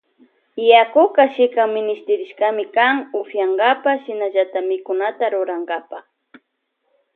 Yakuka shikan minishtirishkami kan upiyankapa shinallata mikunata rurankapa.